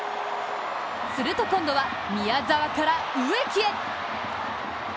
すると、今度は宮澤から植木へ。